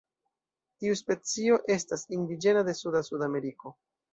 Tiu specio estas indiĝena de suda Sudameriko.